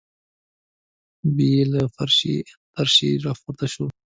ببۍ له فرشي اشدارې راپورته شوه.